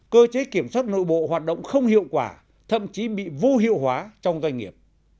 cơ chế kiểm soát nội bộ hoạt động không hiệu quả thậm chí bị vô hiệu hóa trong doanh nghiệp